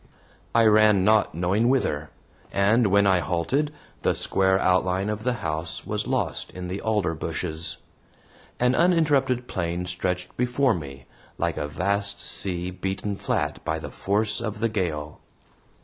I ran not knowing whither, and when I halted, the square outline of the house was lost in the alder bushes. An uninterrupted plain stretched before me, like a vast sea beaten flat by the force of the gale.